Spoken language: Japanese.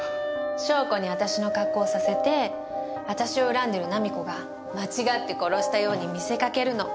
翔子に私の格好をさせて私を恨んでる菜実子が間違って殺したように見せかけるの。